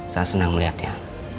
sangat senang melihatnya